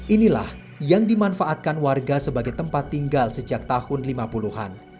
inilah yang dimanfaatkan warga sebagai tempat tinggal sejak tahun lima puluh an